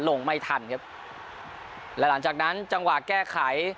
ลงไม่ทันครับและหลังจากนั้นจังหวะแก้ไข